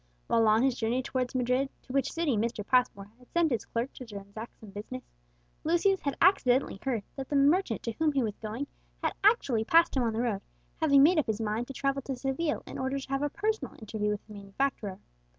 While on his journey towards Madrid, to which city Mr. Passmore had sent his clerk to transact some business, Lucius had accidentally heard that the merchant to whom he was going had actually passed him on the road, having made up his mind to travel to Seville in order to have a personal interview with the manufacturer.